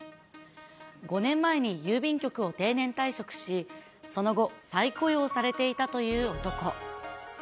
５年前に郵便局を定年退職し、その後、再雇用されていたという男。